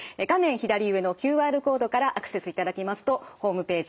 左上のＱＲコードからアクセスいただきますとホームページ